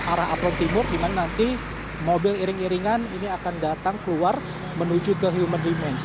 arah apron timur di mana nanti mobil iring iringan ini akan datang keluar menuju ke human remains